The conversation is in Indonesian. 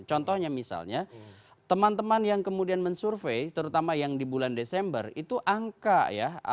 contohnya misalnya teman teman yang kemudian mensurvey terutama yang di bulan desember itu angka ya